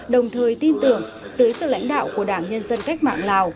đồng thời tin tưởng dưới sự lãnh đạo của đảng nhân dân cách mạng lào